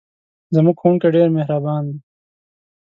زموږ ښوونکی ډېر مهربان دی.